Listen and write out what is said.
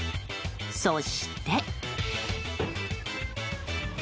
そして。